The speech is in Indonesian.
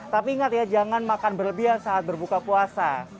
tapi ingat ya jangan makan berlebihan saat berbuka puasa